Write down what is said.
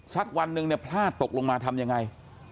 สักวันหนึ่งเนี่ยพลาดตกลงมาทำยังไง